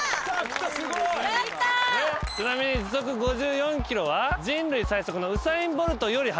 ちなみに時速５４キロは人類最速のウサイン・ボルトより速い。